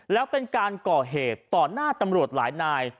แล้วเป็นการก่อเหตุต่อหน้าตำรวจหลายนาย